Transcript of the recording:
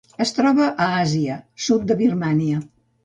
Es troba a Àsia: sud de Birmània.